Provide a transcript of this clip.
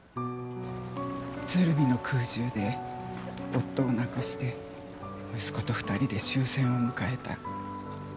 鶴見の空襲で夫を亡くして息子と２人で終戦を迎えた。